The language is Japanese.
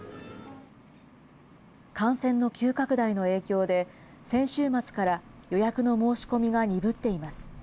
感染の急拡大の影響で、先週末から予約の申し込みが鈍っています。